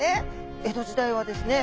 江戸時代はですね